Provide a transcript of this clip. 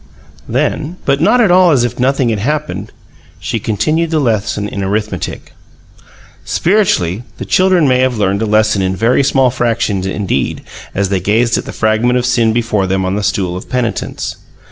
Then (but not at all as if nothing had happened), she continued the lesson in arithmetic. Spiritually the children may have learned a lesson in very small fractions indeed as they gazed at the fragment of sin before them on the stool of penitence.